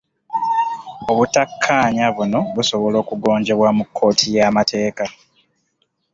Obutakkaanya buno busobola kugonjoolebwa mu kkooti y'amateeka.